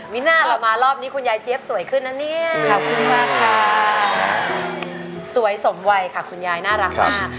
วิน่าเรามารอบนี้คุณยายเจี๊ยบสวยขึ้นนะเนี่ยสวยสมไวค่ะคุณยายน่ารักมาก